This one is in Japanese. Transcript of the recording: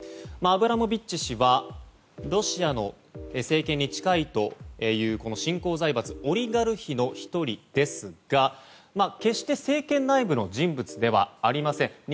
アブラモビッチ氏はロシアの政権に近いという新興財閥オリガルヒの１人ですが決して政権内部の人物ではありません。